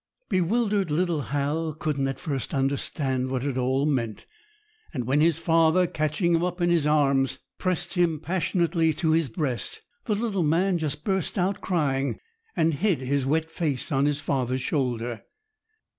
Bewildered little Hal couldn't at first understand what it all meant; and when his father, catching him up in his arms, pressed him passionately to his breast, the little man just burst out crying, and hid his wet face on his father's shoulder.